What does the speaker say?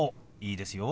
いいですよ。